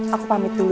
aku pamit dulu ya